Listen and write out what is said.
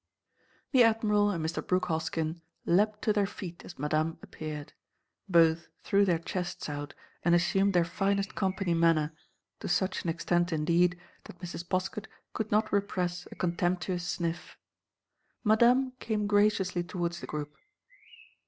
The Admiral and Mr. Brooke Hoskyn leaped to their feet as Madame appeared. Both threw their chests out and assumed their finest company manner, to such an extent, indeed, that Mrs. Poskett could not repress a contemptuous sniff. Madame came graciously towards the group.